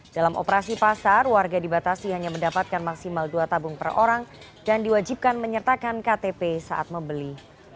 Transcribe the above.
dalam operasi pasar warga dibatasi hanya mendapatkan maksimal dua tabung per orang dan diwajibkan menyertakan ktp saat membeli